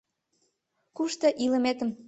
Кушто илыметым.